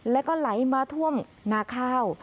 แล้วก็ไหลมาท่วมนาข้าว